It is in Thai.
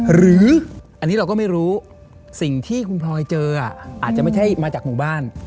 หรืออันนี้เราก็ไม่รู้สิ่งที่คุณพลอยเจออาจจะไม่ใช่มาจากหมู่บ้าน